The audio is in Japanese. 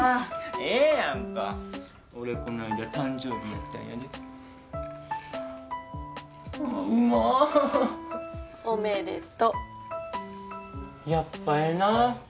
ええやんか俺こないだ誕生日やったんやであぁうま！おめでとやっぱええなぁ